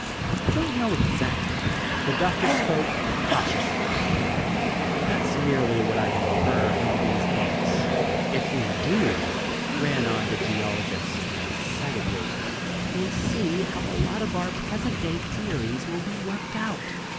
"Don't know exactly." The doctor spoke cautiously. "That's merely what I infer from these books." "If we do," ran on the geologist excitedly, "we'll see how a lot of our present day theories will be worked out!